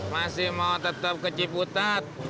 masih mau tetap ke ciputat